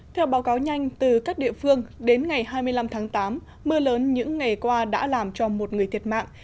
theo báo cáo nhanh từ các địa phương đến ngày hai mươi năm tháng tám mưa lớn những ngày qua đã làm cho một người thiệt mạng